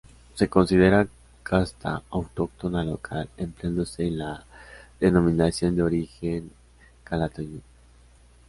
Se considera casta autóctona local, empleándose en la Denominación de Origen Calatayud.